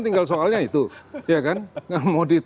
tinggal soalnya itu ya kan mau di